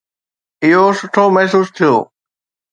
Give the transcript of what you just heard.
اهو سٺو محسوس ٿيو